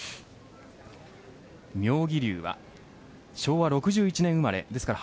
妙義龍は昭和６１年生まれ。